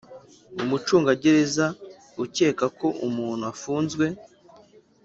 Umucungagereza ukeka ko umuntu ufunzwe